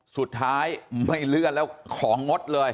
สุดท้ายไม่เลื่อนแล้วของงดเลย